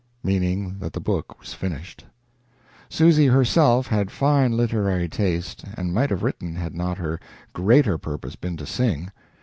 Meaning that the book was finished. Susy herself had fine literary taste, and might have written had not her greater purpose been to sing.